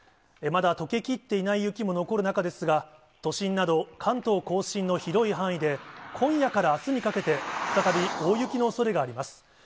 まだとけきっていない雪も残る中ですが、都心など関東甲信の広い範囲で、今夜からあすにかけて、再び大雪のおそれがあります。